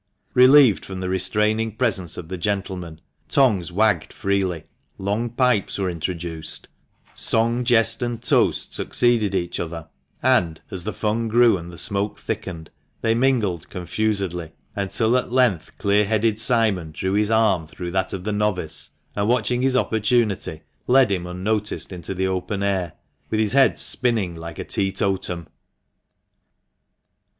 Relieved from the restraining presence of the gentlemen, tongues wagged freely, long pipes were introduced, song, jest, and toast succeeded each other, and, as the fun grew and the smoke thickened, they mingled confusedly, until at length clear headed Simon drew his arm through that of the novice, and, watching his opportunity, led him unnoticed into the open air, with his head spinning like a teetotum.